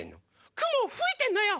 くもをふいてんのよ！